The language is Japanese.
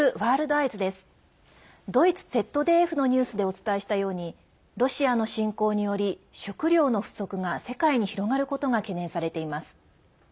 ドイツＺＤＦのニュースでお伝えしたようにロシアの侵攻により食糧の不足が世界に広がることが懸念されています。